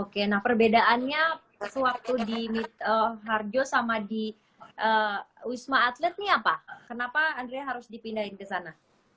oke nah perbedaannya sewaktu di harjo sama di wisma atlet ini apa kenapa andrea harus dipindahin ke sana